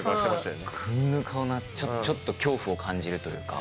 こんな顔にちょっと恐怖を感じるというか。